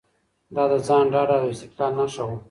دا د ځان ډاډ او استقلال نښه وه.